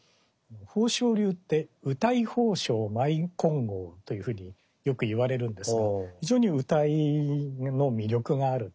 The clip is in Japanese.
宝生流って「謡宝生舞金剛」というふうによく言われるんですが非常に謡の魅力がある。